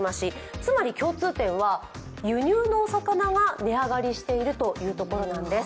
つまり共通点は、輸入の魚は値上がりしているということなんです。